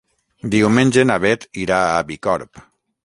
Diumenge na Beth irà a Bicorb.